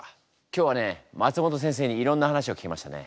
今日はね松本先生にいろんな話を聞けましたね。